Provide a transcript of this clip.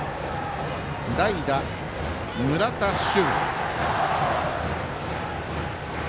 代打、村田駿。